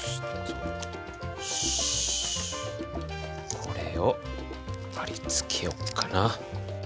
これをはり付けよっかな。